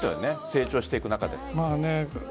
成長していく中で。